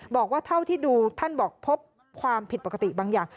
บอกว่าเท่าที่ดูท่านบอกพบความผิดปกติบางอย่าง